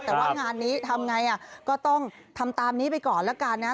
แต่ว่างานนี้ทำไงก็ต้องทำตามนี้ไปก่อนแล้วกันนะ